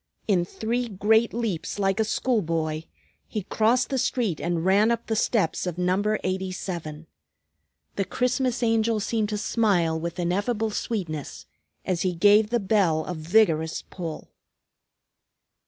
In three great leaps, like a schoolboy, he crossed the street and ran up the steps of Number 87. The Christmas Angel seemed to smile with ineffable sweetness as he gave the bell a vigorous pull.